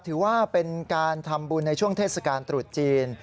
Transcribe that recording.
ถือว่าเป็นการทำบุญในช่วงเทศกาลตรุษจีน